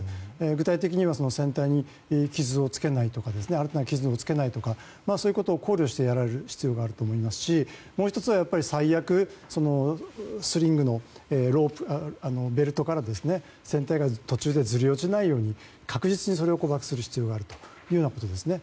具体的には船体に新たな傷をつけないとかそういうことを考慮してやられる必要があると思いますしもう１つは、最悪スリングのベルトから船体が途中でずれ落ちないように確実にそれを固定する必要があるということですね。